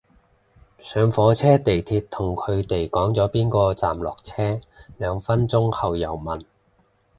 上火車地鐵同佢哋講咗邊個站落車，兩分鐘後又問